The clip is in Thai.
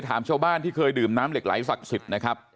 ถามชาวบ้านที่เคยดื่มน้ำเหล็กไหลสัก๑๐นะครับ